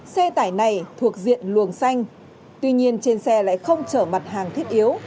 xe tải này thuộc diện luồng xanh tuy nhiên trên xe lại không chở mặt hàng thiết yếu